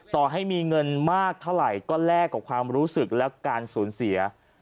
ต่อให้มีเงินมากเท่าไหร่ก็แลกกับความรู้สึกและการสูญเสีย